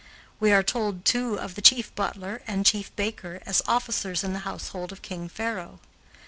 We are told, too, of the chief butler and chief baker as officers in the household of King Pharaoh.